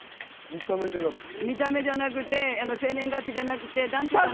見た目じゃなくて、生年月日じゃなくて。